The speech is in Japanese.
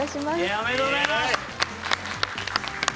おめでとうございます！